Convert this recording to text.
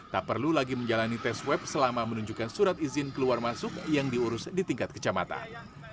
tak perlu lagi menjalani tes swab selama menunjukkan surat izin keluar masuk yang diurus di tingkat kecamatan